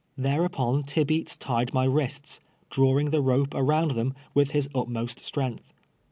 Thereupon Tibeats tied my wrists, drawing the rope around them with his utmost strength.